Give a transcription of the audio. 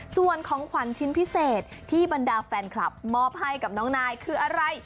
ส่วนของขวัญชิ้นพิเศษที่บรรดาแฟนคลับมอบให้กับน้องนายคืออะไร